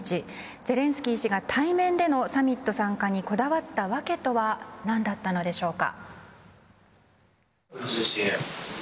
ゼレンスキー氏が対面でのサミット参加にこだわった訳とは何だったのでしょうか。